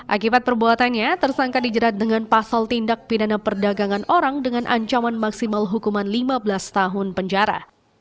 akibat perbuatannya tersangka dijerat dengan pasal tindak pidana perdagangan orang dengan ancaman maksimal hukuman lima belas tahun penjara